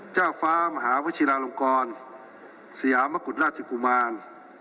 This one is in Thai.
เจ้าฟ้ามหาวชิลาลงกรสยามกุฎราชกุมาร